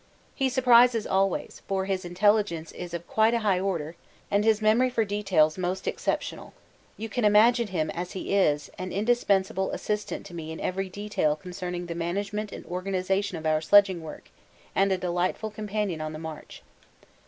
He surprises always, for his intelligence is of quite a high order and his memory for details most exceptional. You can imagine him, as he is, an indispensable assistant to me in every detail concerning the management and organisation of our sledging work and a delightful companion on the march.